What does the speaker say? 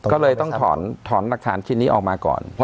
ก็เลยต้องถอนหลักฐานชิ้นนี้ออกมาก่อน